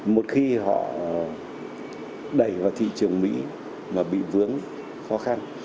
một khi họ đẩy vào thị trường mỹ mà bị vướng khó khăn